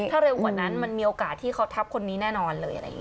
ถ้าเร็วกว่านั้นมันมีโอกาสที่เขาทับคนนี้แน่นอนเลย